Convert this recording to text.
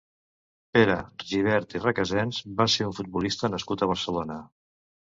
Pere Gibert i Requesens va ser un futbolista nascut a Barcelona.